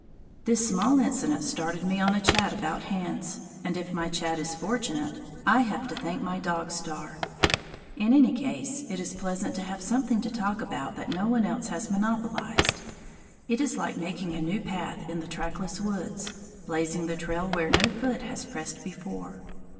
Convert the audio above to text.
This small incident started me on a chat about hands, and if my chat is fortunate I have to thank my dog star. In any case, it is pleasant to have something to talk about that no one else has monopolized; it is like making a new path in the trackless woods, blazing the trail where no foot has pressed before.